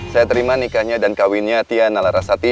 saya terima nikahnya dan kawinnya tia nalarasati